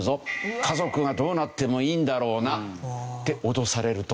「家族がどうなってもいいんだろうな？」って脅されると。